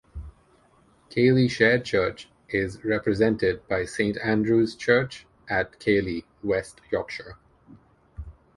Keighley Shared Church is represented by Saint Andrew's Church at Keighley, West Yorkshire.